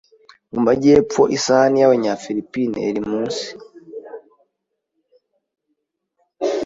mu majyepfo isahani y'Abanyafilipine iri munsi